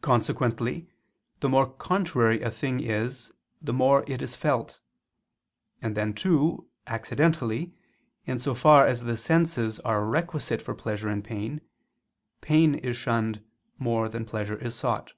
Consequently the more contrary a thing is the more it is felt. And then too, accidentally, in so far as the senses are requisite for pleasure and pain, pain is shunned more than pleasure is sought.